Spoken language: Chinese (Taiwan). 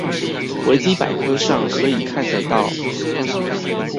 維基百科上可以看得到